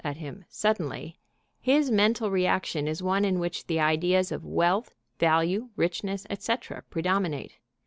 at him suddenly, his mental reaction is one in which the ideas of Wealth, Value, Richness, etc., predominate.